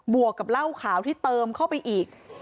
วกกับเหล้าขาวที่เติมเข้าไปอีก